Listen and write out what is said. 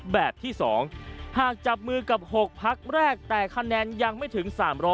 แบบที่๒หากจับมือกับ๖พักแรกแต่คะแนนยังไม่ถึง๓๐๐